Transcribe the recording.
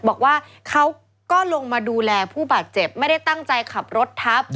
บอกว่าเขาก็ลงมาดูแลผู้บาดเจ็บไม่ได้ตั้งใจขับรถทับ